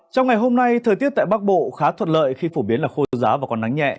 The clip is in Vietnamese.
trong ngày hôm nay thời tiết tại bắc bộ khá thuật lợi khi phổ biến là khô giáo và còn nắng nhẹ